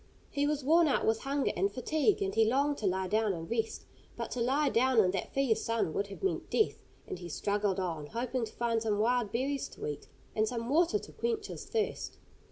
He was worn out with hunger and fatigue, and he longed to lie down and rest. But to lie down in that fierce sun would have meant death, and he struggled on, hoping to find some wild berries to eat, and some water to quench his thirst.